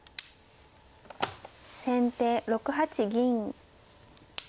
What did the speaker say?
先手６八銀。